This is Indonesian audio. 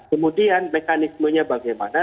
kemudian mekanismenya bagaimana